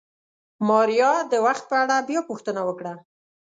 ماريا د وخت په اړه بيا پوښتنه وکړه.